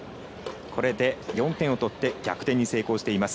これで４点を取って逆転に成功しています。